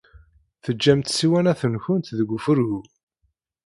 Teǧǧamt ssiwanat-nkent deg ufurgu.